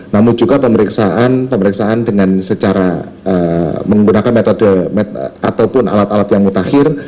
namun juga pemeriksaan pemeriksaan dengan secara menggunakan metode ataupun alat alat yang mutakhir